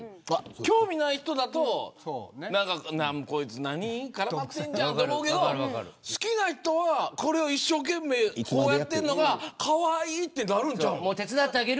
興味ない人だとこいつ何絡まってるじゃんと思うけど好きな人はこれを一生懸命こうやってるのがかわいいとなるんじゃないの。